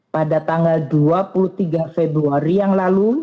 pada tanggal dua puluh tiga februari yang lalu